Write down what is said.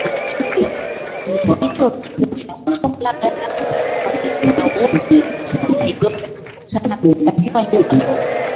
Vijito vikuu vya mto Malagarasi ambavyo ni Myowosi na Igombe vinakutana katika Ziwa Nyamagoma